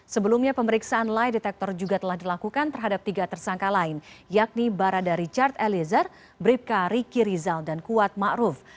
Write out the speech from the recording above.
sebelumnya pemeriksaan lie detector juga telah dilakukan terhadap tiga tersangka lain yakni barada richard eliezer bribka riki rizal dan kuat ⁇ maruf ⁇